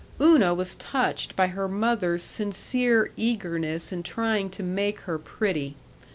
Una was touched by her mother's sincere eagerness in trying to make her pretty.